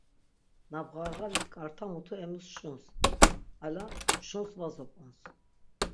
Na bğarğalit ǩarta mutu emus şuns ala mşuns va zop̌ons.